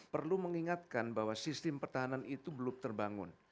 perlu mengingatkan bahwa sistem pertahanan itu belum terbangun